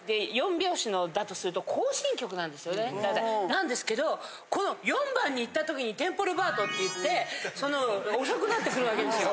なんですけどこの四番にいったときにテンポ・ルバートっていって遅くなってくる訳ですよ。